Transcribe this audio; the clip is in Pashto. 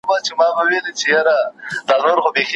وخت به پر تڼاکو ستا تر کلي دروستلی یم